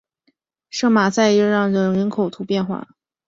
圣马塞昂缪拉人口变化图示